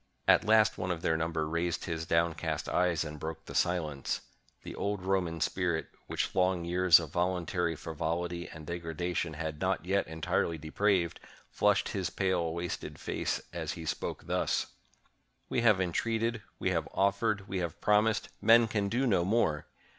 At last one of their number raised his downcast eyes and broke the silence. The old Roman spirit, which long years of voluntary frivolity and degradation had not yet en tirely depraved, flushed his pale wasted face as he spoke thus: — "We have entreated, we have offered, we have prom ised — men can do no more